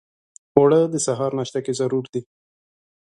اوړه د سهار ناشته کې ضرور دي